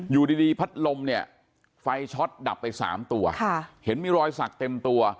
อยู่ดีพัดลมไฟช็อตดับไป๓ตัวเห็นมีรอยสักเต็มตัว